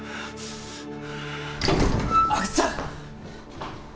阿久津さん